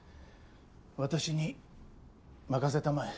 私に任せたまえ。